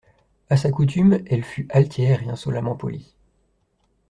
A sa coutume, elle fut altière et insolemment polie.